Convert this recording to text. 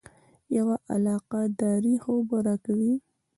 یوه علاقه داري خو به راکوې.